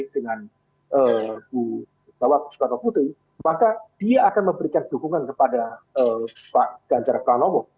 dengan bu bawa putri maka dia akan memberikan dukungan kepada pak ganjar pranowo